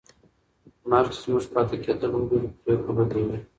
مرګ چې زموږ پاتې کېدل وګوري، پرېکړه بدلوي.